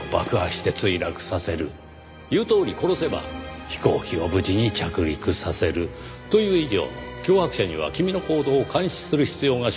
言うとおり殺せば飛行機を無事に着陸させる。という以上脅迫者には君の行動を監視する必要が生じます。